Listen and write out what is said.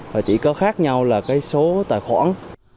và chỉ có khác nhau là cái số tài khoản